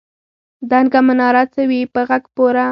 دنګه مناره څه وي په غره پورې.